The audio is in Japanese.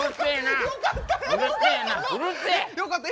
よかったえ？